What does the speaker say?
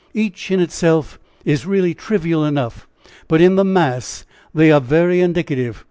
Each in itself is really trivial enough, but in the mass they are very indicative.